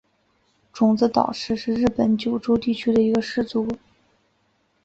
种子岛氏是日本九州地区的一个氏族。